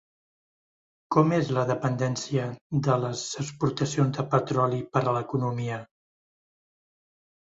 Com és la dependència de les exportacions de petroli per a l'economia?